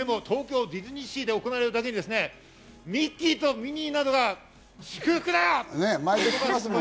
何と言っても東京ディズニーシーで行われるだけにミッキーとミニーなどが祝福だ！